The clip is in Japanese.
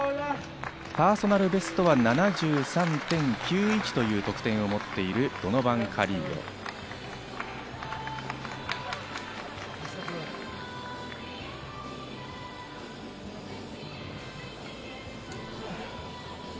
パーソナルベストは７３．９１という得点を持っているドノバン・カリーヨ。